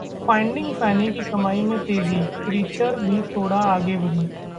finding Fanny की कमाई में तेजी, क्रीचर भी थोड़ा आगे बढ़ी